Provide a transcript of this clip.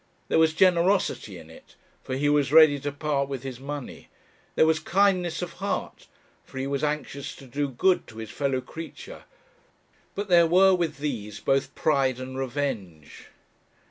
There was generosity in it, for he was ready to part with his money; there was kindness of heart, for he was anxious to do good to his fellow creature; but there were with these both pride and revenge.